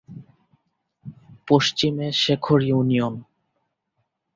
পশ্চিমে শেখর ইউনিয়ন।